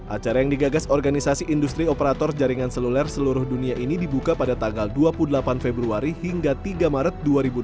acara yang digagas organisasi industri operator jaringan seluler seluruh dunia ini dibuka pada tanggal dua puluh delapan februari hingga tiga maret dua ribu dua puluh